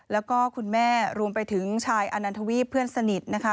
และคุณแม่รวมไปถึงชายอาณานทวีพี่เพื่อนสนิท